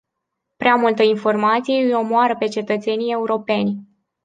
Prea multă informație îi omoară pe cetățenii europeni.